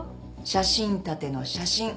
写真立ての写真。